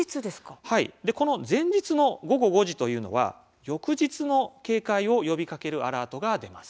この前日の午後５時というのは翌日の警戒を呼びかけるアラートが出ます。